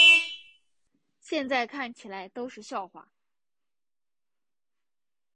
现在看起来都是笑话